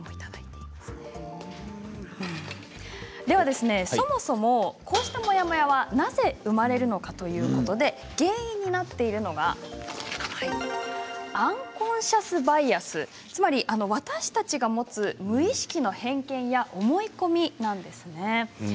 では、そもそもこうしたモヤモヤはなぜ生まれるのかということで原因になっているのがアンコンシャス・バイアス、つまり私たちが持つ無意識の偏見や思い込みなんです。